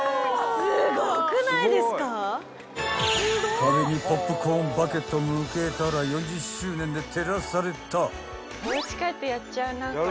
［壁にポップコーンバケットを向けたら４０周年で照らされた］